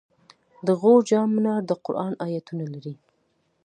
د غور جام منار د قرآن آیتونه لري